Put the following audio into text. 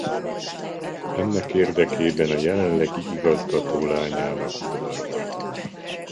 Ennek érdekében a jelenlegi igazgató lányának udvarol.